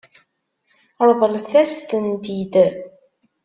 Ṛeḍlet-as-tent-id.